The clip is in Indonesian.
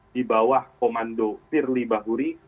di bawah komando firly bahuri